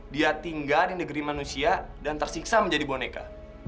dia tinggal di negeri manusia dan tersiksa menjadi boneka